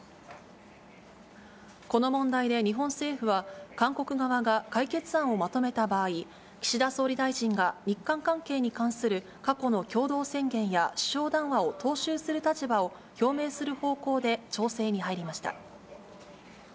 この問題で日本政府は、韓国側が解決案をまとめた場合、岸田総理大臣が、日韓関係に関する過去の共同宣言や首相談話を踏襲する立場を表明する方向で調整に入りました。